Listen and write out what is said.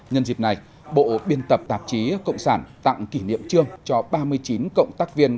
nhân dịp này bộ biên tập tạp chí cộng sản tặng kỷ niệm trương cho ba mươi chín cộng tác viên